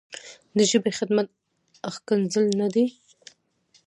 د ژبې خدمت ښکنځل نه دي نه.